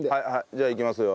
じゃあいきますよ。